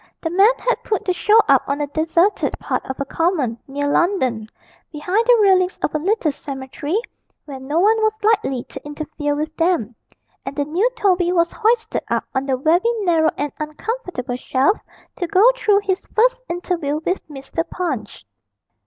The men had put the show up on a deserted part of a common near London, behind the railings of a little cemetery where no one was likely to interfere with them, and the new Toby was hoisted up on the very narrow and uncomfortable shelf to go through his first interview with Mr. Punch.